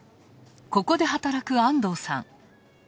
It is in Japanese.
ここで働く安藤さん。